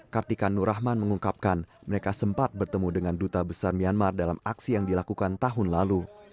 kartika nur rahman mengungkapkan mereka sempat bertemu dengan duta besar myanmar dalam aksi yang dilakukan tahun lalu